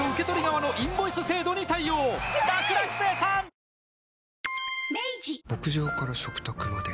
「氷結」牧場から食卓まで。